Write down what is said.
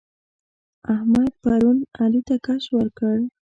احمد پرون علي ته کش ورکړ.